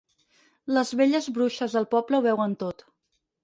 Les velles bruixes del poble ho veuen tot.